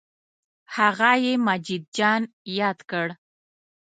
هغه یې مجید جان یاد کړ.